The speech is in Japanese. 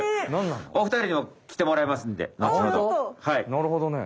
なるほどね。